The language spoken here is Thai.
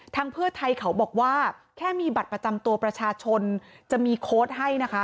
เพื่อไทยเขาบอกว่าแค่มีบัตรประจำตัวประชาชนจะมีโค้ดให้นะคะ